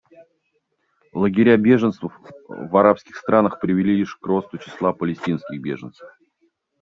Лагеря беженцев в арабских странах привели лишь к росту числа палестинских беженцев.